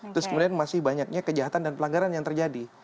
terus kemudian masih banyaknya kejahatan dan pelanggaran yang terjadi